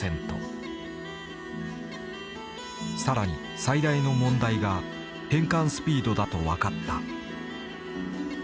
更に最大の問題が変換スピードだと分かった。